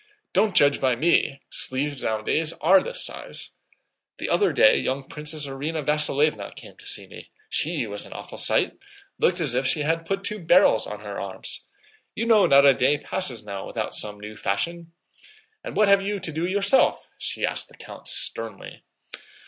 Don't judge by me: sleeves nowadays are this size! The other day young Princess Irína Vasílevna came to see me; she was an awful sight—looked as if she had put two barrels on her arms. You know not a day passes now without some new fashion.... And what have you to do yourself?" she asked the count sternly.